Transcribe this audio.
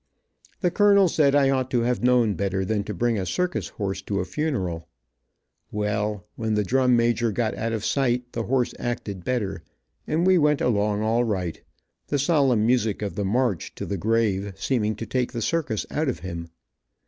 The colonel said I ought to have known better than to bring a circus horse to a funeral. Well, when the drum major got out of sight the horse acted better, and we went along all right, the solemn music of the march to the grave seeming to take the circus out of him.